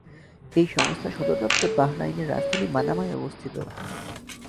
এই সংস্থার সদর দপ্তর বাহরাইনের রাজধানী মানামায় অবস্থিত।